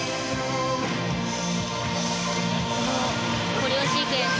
コレオシークエンス。